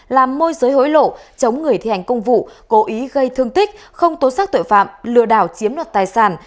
làm môi giới hối lộ chống người thi hành công vụ cố ý gây thương tích không tố xác tội phạm lừa đảo chiếm đoạt tài sản